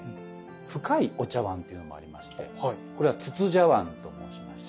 深いお茶碗というのもありましてこれは筒茶碗と申しまして。